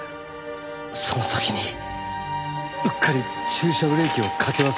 その時にうっかり駐車ブレーキをかけ忘れて。